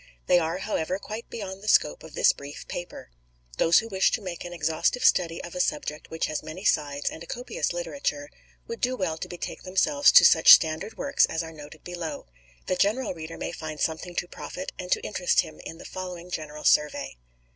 They are, however, quite beyond the scope of this brief paper. Those who wish to make an exhaustive study of a subject which has many sides and a copious literature, would do well to betake themselves to such standard works as are noted below. The general reader may find something to profit and to interest him in the following general survey.